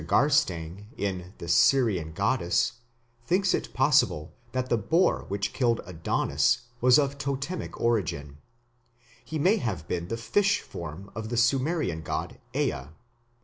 Garstang, in The Syrian Goddess, thinks it possible that the boar which killed Adonis was of totemic origin. So may have been the fish form of the Sumerian god Ea.